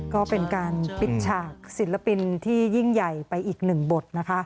ก็เป็นการปิดฉากศิลปินที่ยิ่งใหญ่ไปอีกหนึ่งบทนะคะ